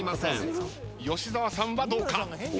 吉沢さんはどうか？